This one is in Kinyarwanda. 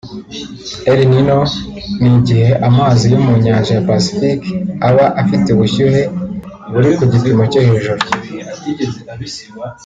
El Nino ni igihe amazi yo mu nyanja ya Pacifique aba afite ubushyuhe buri ku gipimo cyo hejuru